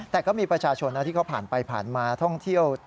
แต่ก็มีประชาชนที่เขาผ่านไปผ่านมาท่องเที่ยว